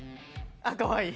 あっかわいい。